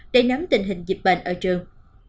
để nắm tình hình dịch bệnh ở trường